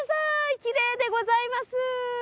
きれいでございます。